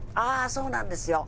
そうなんですよ。